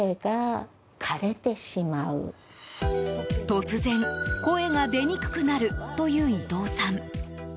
突然、声が出にくくなるという伊藤さん。